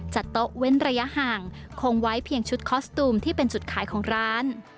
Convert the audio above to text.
โต๊ะเว้นระยะห่างคงไว้เพียงชุดคอสตูมที่เป็นจุดขายของร้าน